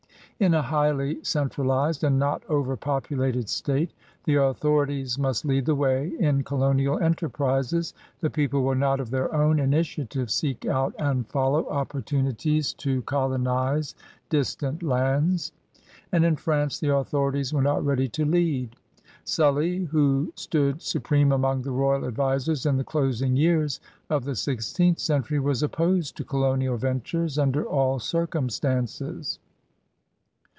In a highly centralized and not over populated state the authorities must lead the way in colonial entei^rises; the people will not of their own initiative seek out and foUow opportunities to FRANCE OF THE BOURBONS 7 colonize distant lands. And in France the au thorities were not ready to lead. Sully» who stood supreme among the royal advisers in the closing years of the sixteenth century, was opposed to colonial ventures under all circumstances.